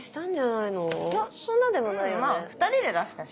いやそんなでもないよね。